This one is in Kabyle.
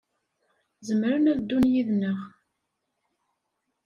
Zemren ad ddun yid-neɣ.